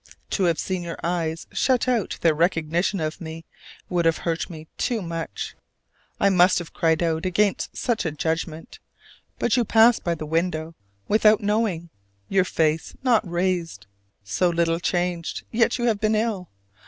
To have seen your eyes shut out their recognition of me would have hurt me too much: I must have cried out against such a judgment. But you passed by the window without knowing, your face not raised: so little changed, yet you have been ill.